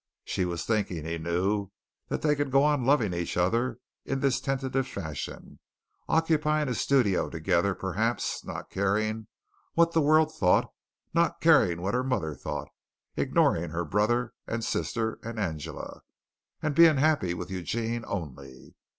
She was thinking, he knew, that they could go on loving each other in this tentative fashion, occupying a studio together, perhaps, not caring what the world thought, not caring what her mother thought, ignoring her brother and sister and Angela, and being happy with Eugene only.